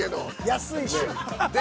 安いし。